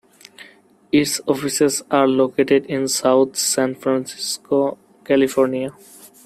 Its offices are located in South San Francisco, California.